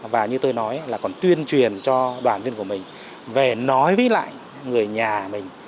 và như tôi nói là còn tuyên truyền cho đoàn viên của mình về nói với lại người nhà mình